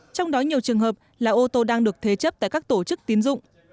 trong đó nhiều trường hợp là ô tô đang được thế chấp tại các tổ chức tín dụng